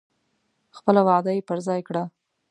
خپله وعده یې پر ځای کړه.